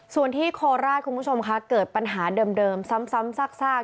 ส่วนที่โคราชคุณผู้ชมค่ะเกิดปัญหาเดิมซ้ำซาก